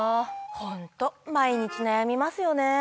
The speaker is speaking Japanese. ホント毎日悩みますよね。